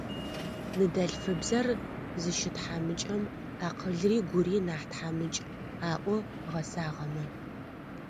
Ныдэлъфыбзэр зыщытхьамыкӏэм акъылри гури нахь тхьамыкӏ,- аӏо гъэсагъэмэ.